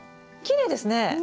きれいですね！